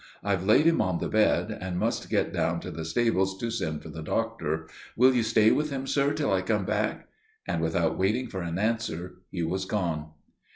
I've laid him on the bed, and must get down to the stables to send for the doctor. Will you stay with him, sir, till I come back?" And without waiting for an answer he was gone.